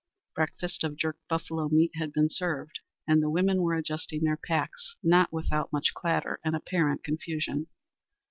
Breakfast of jerked buffalo meat had been served and the women were adjusting their packs, not without much chatter and apparent confusion.